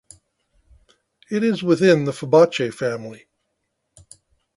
It is within the Fabaceae family.